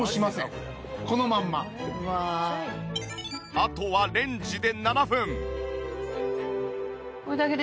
あとはレンジで７分。